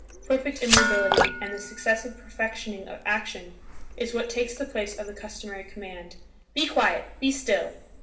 Perfect immobility and the successive perfectioning of action, is what takes the place of the customary command, "Be quiet! Be still!"